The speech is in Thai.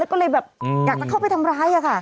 ก็เลยแบบอยากจะเข้าไปทำร้ายค่ะ